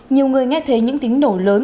nhiều người nghe thấy những tính nổ lớn